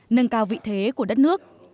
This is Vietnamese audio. nâng cao vị thế của đất nước